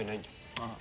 ああ。